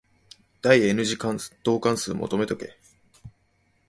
第 n 次導関数求めとけ。